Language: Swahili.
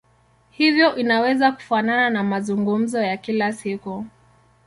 Hivyo inaweza kufanana na mazungumzo ya kila siku.